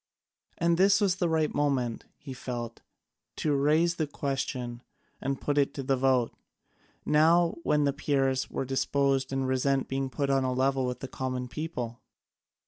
And this was the right moment, he felt, to raise the question and put it to the vote, now when the Peers were disposed to resent being put on a level with the common people.